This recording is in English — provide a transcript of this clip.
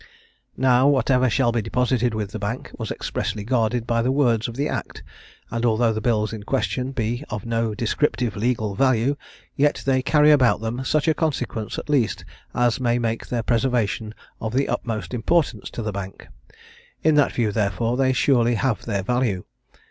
Now, whatever shall be deposited with the Bank, was expressly guarded by the words of the act; and although the bills in question be of no descriptive legal value, yet they carry about them such a consequence at least as may make their preservation of the utmost importance to the Bank. In that view, therefore, they surely have their value.